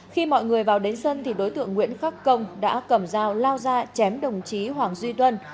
khi mọi người vào đến sân thì đối tượng nguyễn khắc công đã cầm dao lao ra chém đồng chí hoàng duy tuân